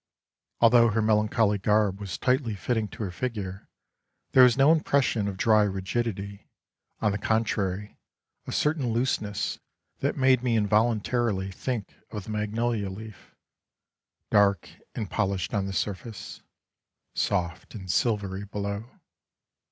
Although her melancholy garb was tightly fitting to her figure there was no impression of dry rigidity, on the contrary a certain looseness, that made me involuntarily think of the magnolia leaf: dark and polished on the sur face, soft and silvery below.